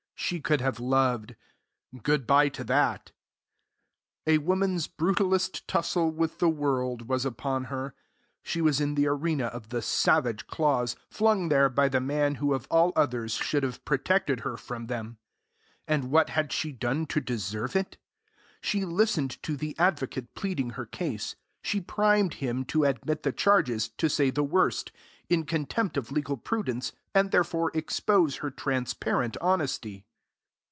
She could have loved. Good bye to that! A woman's brutallest tussle with the world was upon her. She was in the arena of the savage claws, flung there by the man who of all others should have protected her from them. And what had she done to deserve it? She listened to the advocate pleading her case; she primed him to admit the charges, to say the worst, in contempt of legal prudence, and thereby expose her transparent honesty.